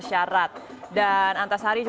jatian epa jayante